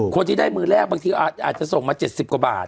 คนที่ได้มือแรกบางทีอาจจะส่งมา๗๐กว่าบาท